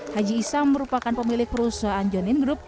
haji isam merupakan pemilik perusahaan john lynn group